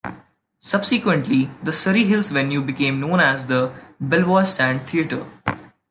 Subsequently, the Surry Hills venue became known as the Belvoir Saint Theatre.